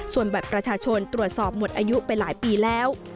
ส่วนบัตรประชาชนตรวจสอบหมดอายุไปหลายปีแล้ว